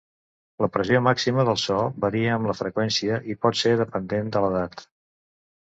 La pressió màxima del so varia amb la freqüència i pot ser dependent de l'edat.